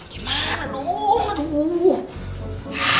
gimana dong aduhhhh